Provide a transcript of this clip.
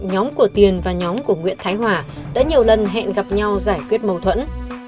nhóm của tiền và nhóm của nguyễn thái hòa đã nhiều lần hẹn gặp nhau giải quyết mâu thuẫn